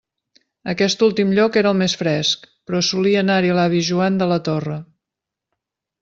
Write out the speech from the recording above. Aquest últim lloc era el més fresc, però solia anar-hi l'avi Joan de la Torre.